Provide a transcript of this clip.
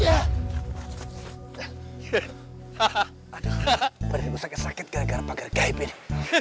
aduh pada ibu sakit sakit gara gara pagar gaib ini